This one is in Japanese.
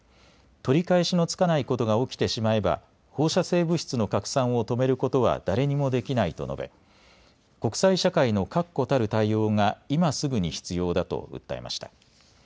取り返しのつかないことが起きてしまえば放射性物質の拡散を止めることは誰にもできないと述べ国際社会の確固たる対応が今すぐに必要だと訴えました。